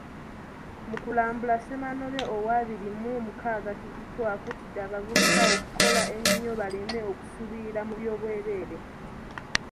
Mukulambula, Ssemanobe ow'abiri mu mukaaga Kizito akuutidde abavubuka okukola ennyo baleme kusuubirira mu bya bwerere.